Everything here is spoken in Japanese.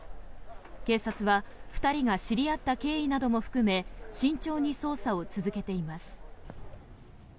警察は２人が知り合った経緯なども含め慎重に捜査を続けています。